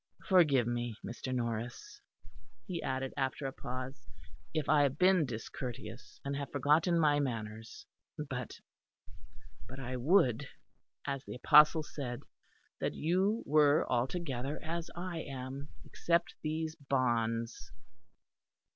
"Forgive me, Mr. Norris," he added after a pause, "if I have been discourteous, and have forgotten my manners; but but I would, as the apostle said, that you were altogether as I am, except these bonds."